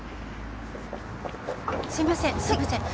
すいませんすいません。